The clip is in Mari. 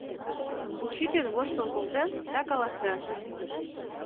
Учитель воштыл колтен да каласен: